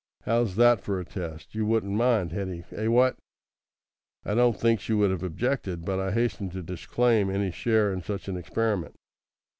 How's that for a test? You wouldn't mind, Hetty? Eh, what!" "I don't think she would have objected, but I hastened to disclaim any share in such an experiment.